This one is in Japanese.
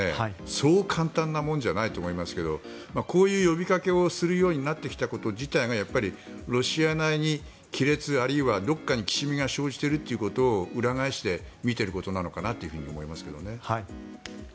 そう簡単なもんじゃないと思いますがこういう呼びかけをするようになってきたこと自体がやっぱりロシアなりに亀裂あるいはどこかにきしみが生じているということを裏返してみていることなのかなと思いますけどね。